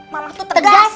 mama tuh tegas